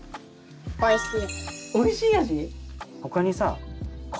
おいしい味？